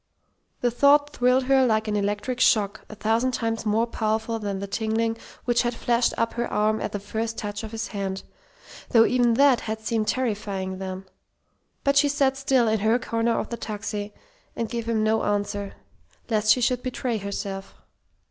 The thought thrilled her like an electric shock a thousand times more powerful than the tingling which had flashed up her arm at the first touch of his hand, though even that had seemed terrifying then. But she sat still in her corner of the taxi, and gave him no answer, lest she should betray herself.